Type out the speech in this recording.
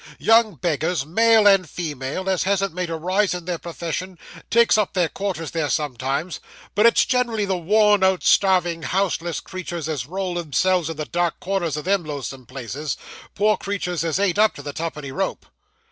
Young beggars, male and female, as hasn't made a rise in their profession, takes up their quarters there sometimes; but it's generally the worn out, starving, houseless creeturs as roll themselves in the dark corners o' them lonesome places poor creeturs as ain't up to the twopenny rope.